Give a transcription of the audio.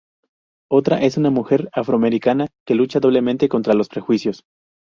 Otra es una mujer afroamericana que lucha doblemente contra los prejuicios.